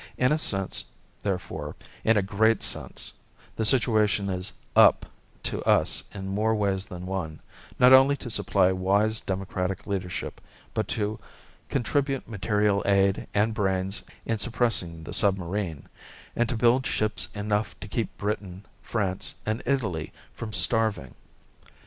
In a sense, therefore, in a great sense, the situation is "up" to us in more ways than one, not only to supply wise democratic leadership but to contribute material aid and brains in suppressing the submarine, and to build ships enough to keep Britain, France, and Italy from starving.